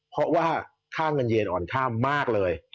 เพราะว่าข้างมันเย็นอ่อนข้ามมากเลย